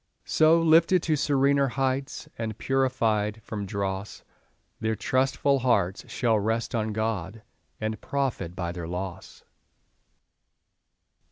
So, lifted to serener heights, And purified from dross, Their trustful hearts shall rest on God, And profit by their loss.